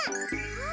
あ！